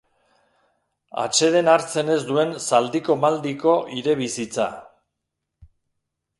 Atseden hartzen ez duen zaldiko-maldiko hire bizitza.